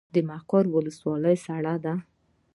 د مقر ولسوالۍ سړه ده